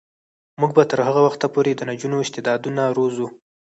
موږ به تر هغه وخته پورې د نجونو استعدادونه روزو.